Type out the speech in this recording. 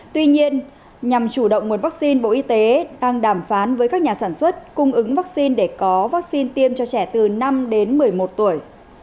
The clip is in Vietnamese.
tuy nhiên nhằm chủ động nguồn vaccine bộ y tế đang đàm phán với các nhà sản xuất cung ứng vaccine để có vaccine tiêm cho trẻ từ năm đến một mươi một tuổi